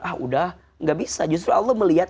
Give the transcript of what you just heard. ah udah gak bisa justru allah melihat